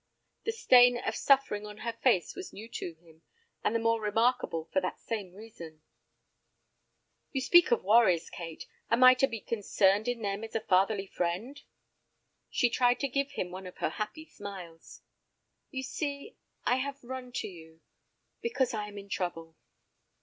The stain of suffering on her face was new to him, and the more remarkable for that same reason. "You speak of worries, Kate. Am I to be concerned in them as a fatherly friend?" She tried to give him one of her happy smiles. "You see—I have to run to you—because I am in trouble."